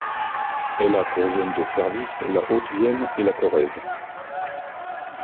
Elle a pour zone de service la Haute-Vienne et la Corrèze.